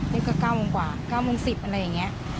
นี่ก็๙โมงกว่า๙โมง๑๐อะไรอย่างนี้